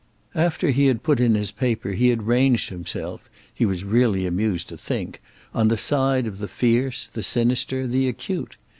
After he had put in his paper he had ranged himself, he was really amused to think, on the side of the fierce, the sinister, the acute.